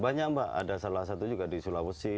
banyak mbak ada salah satu juga di sulawesi